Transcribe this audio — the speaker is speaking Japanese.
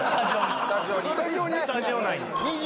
スタジオに！？